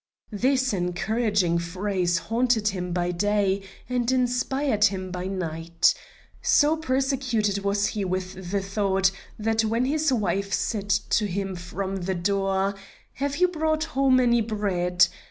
This encouraging phrase haunted him by day and inspired him by night. So persecuted was he with the thought that when his wife said to him, from the door, "Have you brought home any bread?"